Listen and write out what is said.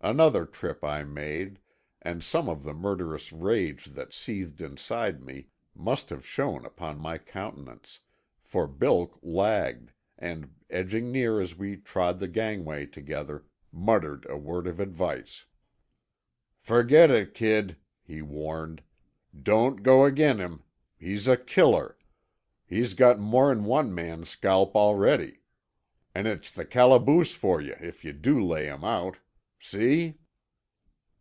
Another trip I made, and some of the murderous rage that seethed inside me must have shown upon my countenance; for Bilk lagged, and, edging near as we trod the gangway together, muttered a word of advice. "Fergit it, kid," he warned. "Don't go agin' him. He's a killer—he's got more'n one man's scalp a'ready. An' it's the calaboose for you if yuh do lay him out. See?"